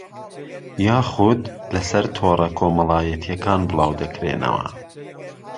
یاخوود لەسەر تۆڕە کۆمەڵایەتییەکان بڵاودەکرێنەوە